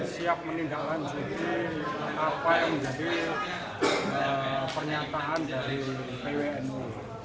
siap meninggalkan juti apa yang menjadi pernyataan dari pwnu